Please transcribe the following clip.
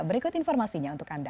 berikut informasinya untuk anda